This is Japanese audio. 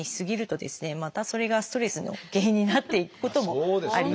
またそれがストレスの原因になっていくこともあります。